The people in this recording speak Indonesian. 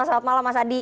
selamat malam mas adi